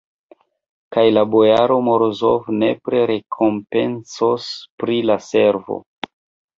Kaj la bojaro Morozov nepre rekompencos pri la servo.